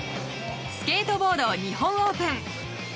スケートボード日本オープン。